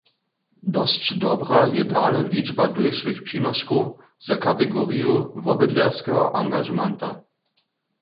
Dosć dobra je dale ličba dóšłych přinoškow za kategoriju wobydlerskeho angažementa.